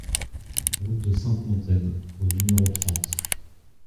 Route de Sainte-Montaine au numéro trente